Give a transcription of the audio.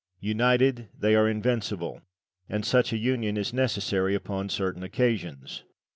United they are invincible, and such a union is necessary upon certain occasions.